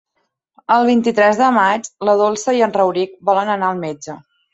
El vint-i-tres de maig na Dolça i en Rauric volen anar al metge.